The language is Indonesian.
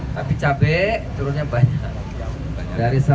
tapi cabai turunnya banyak